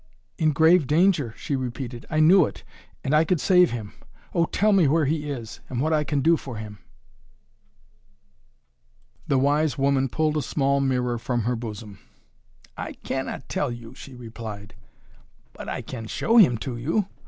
"In grave danger," she repeated. "I knew it! And I could save him! Oh, tell me where he is, and what I can do for him?" The wise woman pulled a small mirror from her bosom. "I cannot tell you," she replied. "But I can show him to you.